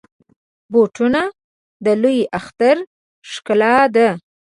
بوټونه د لوی اختر ښکلا ده.